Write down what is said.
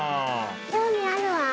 興味あるわ。